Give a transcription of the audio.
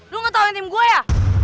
lu gak tau yang tim gue ya